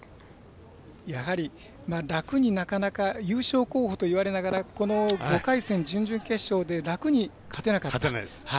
やはり優勝候補といわれながらこの５回戦、準々決勝で楽に勝てなかった。